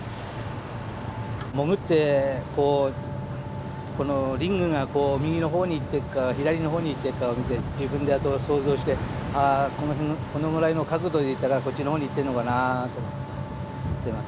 潜ってこうこのリングが右の方に行ってるか左の方に行ってるか見て自分であとは想像してあこの辺このぐらいの角度で行ったからこっちの方に行ってんのかなとか思ってます。